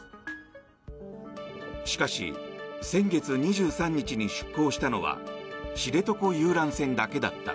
しかし先月２３日に出港したのは知床遊覧船だけだった。